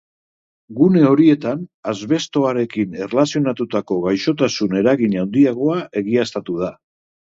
Gune horietan asbestoarekin erlazionatutako gaixotasun eragin handiagoa egiaztatu da.